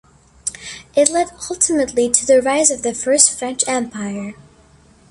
It led ultimately to the rise of the First French Empire.